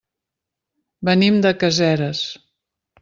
Venim de Caseres.